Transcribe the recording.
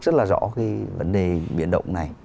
rất là rõ cái vấn đề biến động này